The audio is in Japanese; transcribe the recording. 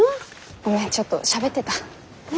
ごめんちょっとしゃべってた。